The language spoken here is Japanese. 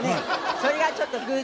それがちょっと偶然ね